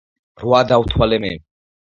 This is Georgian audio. რვა დავთვალე მე.